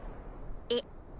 えっ？